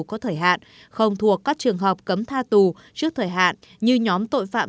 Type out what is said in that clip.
có thời hạn không thuộc các trường hợp cấm tha tù trước thời hạn như nhóm tội phạm